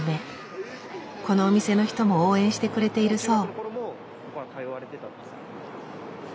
このお店の人も応援してくれているそう。